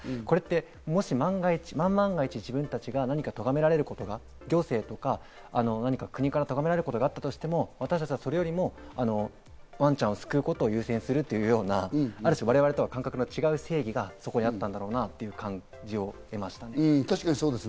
もし万が一、自分たちがとがめられることがあったとしても私たちはそれよりもワンちゃんを救うことを優先するというような、ある種我々と感覚が違う正義がそこにあったんだろうなという感じを得ました。